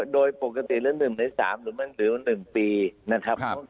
โดยปกติเลือดหนึ่งในสามหรือมันถือว่าหนึ่งปีนะครับ